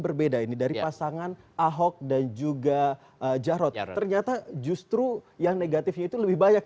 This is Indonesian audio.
berbeda ini dari pasangan ahok dan juga jarod ternyata justru yang negatifnya itu lebih banyak